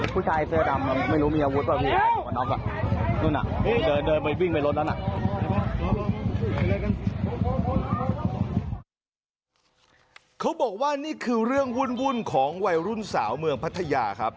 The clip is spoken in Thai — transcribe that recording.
เขาบอกว่านี่คือเรื่องวุ่นของวัยรุ่นสาวเมืองพัทยาครับ